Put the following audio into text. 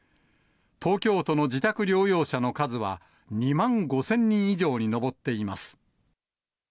東京都の自宅療養者の数は、２万５０００人以上に上っています。